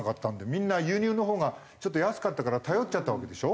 みんな輸入のほうがちょっと安かったから頼っちゃったわけでしょ。